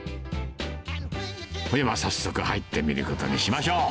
それでは早速、入ってみることにしましょう。